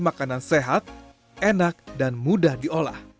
makanan sehat enak dan mudah diolah